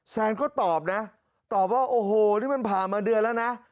แซนก็ตอบนะตอบว่าโอ้โหนี่มันผ่านมาเดือนแล้วนะ